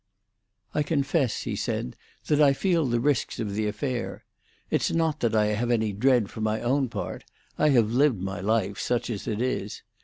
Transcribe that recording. "I confess," he said, "that I feel the risks of the affair. It's not that I have any dread for my own part; I have lived my life, such as it is.